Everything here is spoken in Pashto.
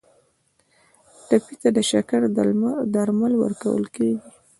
ټپي ته د شکر درمل ورکول کیږي.